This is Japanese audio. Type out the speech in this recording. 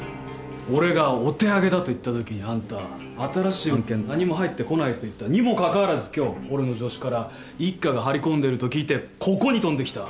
俺がお手上げだと言ったときあんた新しい案件は何も入ってこないと言ったにもかかわらず今日俺の助手から一課が張り込んでると聞いてここに飛んできた。